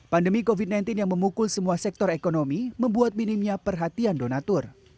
pandemi covid sembilan belas yang memukul semua sektor ekonomi membuat minimnya perhatian donatur